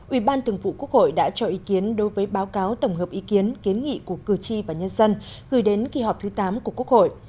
ubnd đã cho ý kiến đối với báo cáo tổng hợp ý kiến kiến nghị của cử tri và nhân dân gửi đến kỳ họp thứ tám của quốc hội